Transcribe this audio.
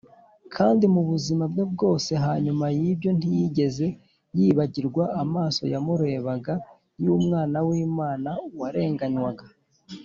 kandi mu buzima bwe bwose hanyuma y’ibyo ntiyigeze yibagirwa amaso yamurebaga y’umwana w’imana warenganywaga